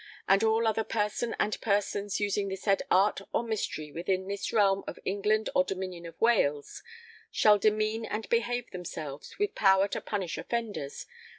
and all other person and persons using the said art or mystery within this Realm of England or Dominion of Wales shall demean and behave themselves [_with power to punish offenders....